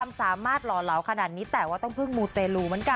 สามสามมารอเหลาขนาดนี้แต่ว่าต้องพึ่งมูดเตรียมมันกัน